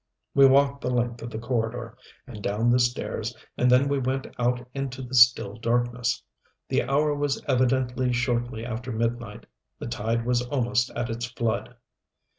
We walked the length of the corridor and down the stairs, and then we went out into the still darkness. The hour was evidently shortly after midnight the tide was almost at its flood.